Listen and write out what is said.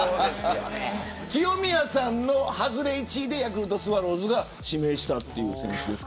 清宮さんの外れ１位でヤクルトスワローズが指名しました。